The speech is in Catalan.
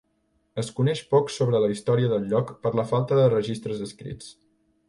Es coneix poc sobre la història del lloc per la falta de registres escrits.